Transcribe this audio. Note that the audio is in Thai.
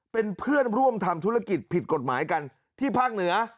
เป็นเพื่อนร่วมทำธุรกิจผิดกฎหมายกันที่ภาคเหนือ